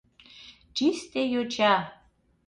Чисте йоча!